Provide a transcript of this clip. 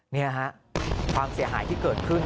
นี่ฮะความเสียหายที่เกิดขึ้น